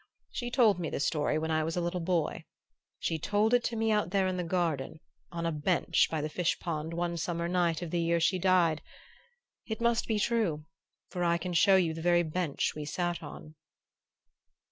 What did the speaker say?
She told me the story when I was a little boy. She told it to me out there in the garden, on a bench by the fish pond, one summer night of the year she died. It must be true, for I can show you the very bench we sat on...."